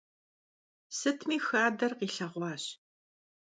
Sıtmi xader khilheğuaş.